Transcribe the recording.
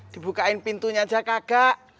dibukain pintunya aja kagak